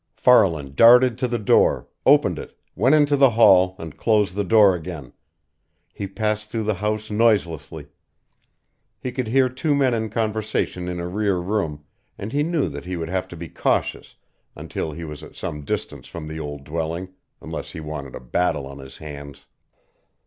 Farland darted to the door, opened it, went into the hall and closed the door again. He passed through the house noiselessly. He could hear two men in conversation in a rear room, and he knew that he would have to be cautious until he was at some distance from the old dwelling, unless he wanted a battle on his hands.